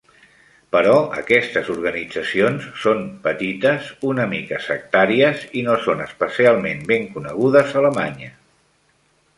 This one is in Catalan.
Però aquestes organitzacions són petites, una mica sectàries, i no són especialment ben conegudes a Alemanya.